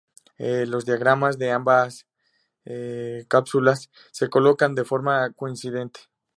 Los diafragmas de ambas cápsulas se colocan de forma coincidente.